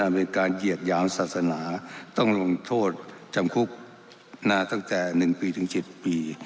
เป็นการเหยียดหยามศาสนาต้องลงโทษจำคุกนาตั้งแต่๑ปีถึง๗ปี